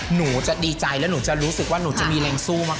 หนูจะดีใจแล้วหนูจะรู้สึกว่าหนูจะมีแรงสู้มาก